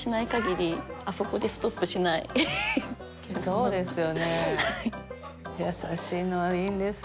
そうですよね。